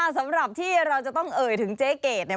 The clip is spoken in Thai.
สำหรับที่เราจะต้องเอ่ยถึงเจ๊เกดเนี่ย